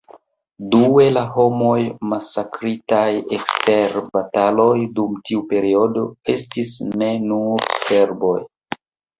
Due, la homoj masakritaj ekster bataloj dum tiu periodo estis ne nur serboj.